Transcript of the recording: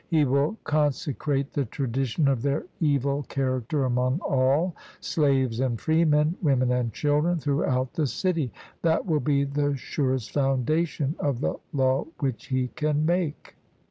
He will consecrate the tradition of their evil character among all, slaves and freemen, women and children, throughout the city: that will be the surest foundation of the law which he can make.